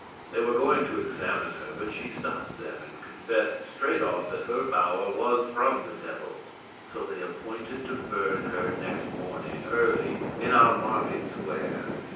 They were going to examine her, but she stopped them, and confessed straight off that her power was from the Devil. So they appointed to burn her next morning, early, in our market square.